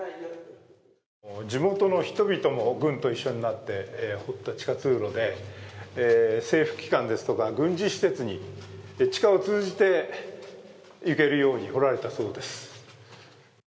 地元の人々も軍と一緒になって掘った地下通路で、政府機関ですとか軍事施設に地下を通じて行けるように掘られたそうです。